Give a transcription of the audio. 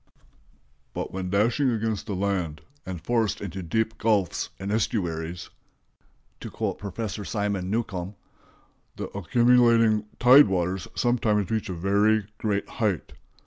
"But when dashing against the land, and forced into deep gulfs and estuaries," to quote Professor Simon Newcomb, "the accumulating tide waters sometimes reach a very great height.